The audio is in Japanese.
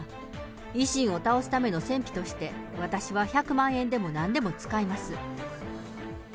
維新を倒すための戦費として、私は１００万円でもなんでも使います。